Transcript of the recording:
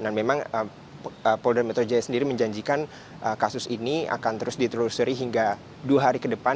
dan memang polda metro jaya sendiri menjanjikan kasus ini akan terus ditelusuri hingga dua hari ke depan